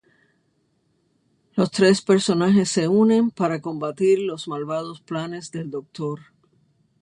Los tres personajes se unen para combatir los malvados planes del doctor.